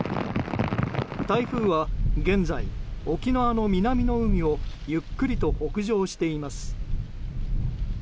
台風は現在、沖縄の南の海をゆっくりと北上しています。